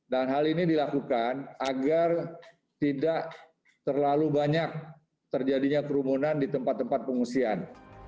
dan hal ini dilakukan agar tidak terlalu banyak terjadinya kerumunan di tempat tempat pengungsian